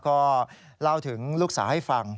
ก็เล่าถึงลูกสาวให้ฟัง